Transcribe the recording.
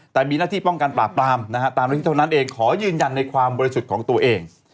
แต่มีหน้าที่ป้องกันปราบปรามนะฮะตามหน้าที่เท่านั้นเองขอยืนยันในความบริสุทธิ์ของตัวเอง